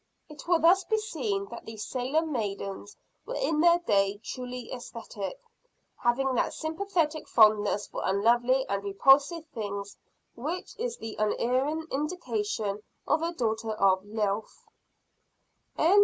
It will thus be seen that these Salem maidens were in their day truly esthetic having that sympathetic fondness for unlovely and repulsive things, which is the unerring indication of a daughter of Lilith.